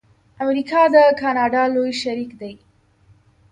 امریکا د کاناډا لوی شریک دی.